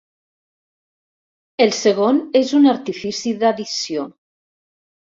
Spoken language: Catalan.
El segon és un artifici d'addició.